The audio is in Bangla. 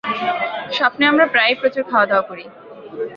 স্বপ্নে আমরা প্রায়ই প্রচুর খাওয়াদাওয়া করি।